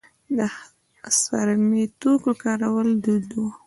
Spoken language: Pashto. د څرمي توکو کارول دود و